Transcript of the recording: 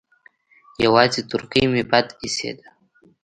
يوازې تورکى مې بد اېسېد.